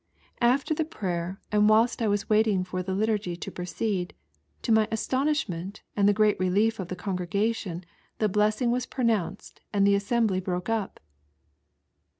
I After the Prayer and whilst I was waiting for the liturgy to proceed, to my astonishment and the great relief of the congregation the Blessing was pro nounced and the assembly broke up.